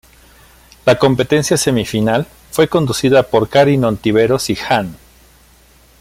La Competencia Semifinal fue conducida por Karin Ontiveros y Jan.